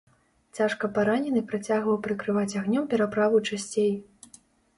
Цяжка паранены працягваў прыкрываць агнём пераправу часцей.